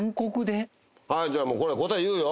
はいじゃあもうこれ答え言うよ。